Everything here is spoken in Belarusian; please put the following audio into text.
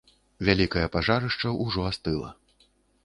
Вялікае пажарышча ўжо астыла.